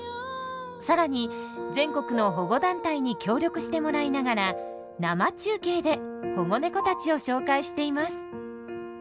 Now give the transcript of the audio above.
更に全国の保護団体に協力してもらいながら生中継で保護猫たちを紹介しています。